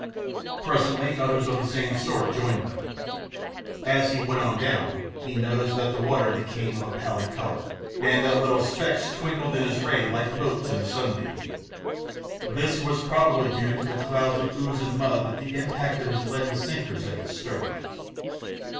Presently others of the same sort joined them. As he went on down, he noticed that the water became of a pallid colour, and that little specks twinkled in his ray like motes in a sunbeam. This was probably due to the clouds of ooze and mud that the impact of his leaden sinkers had disturbed.